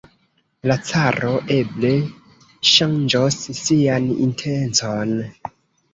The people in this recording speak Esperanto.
La caro eble ŝanĝos sian intencon.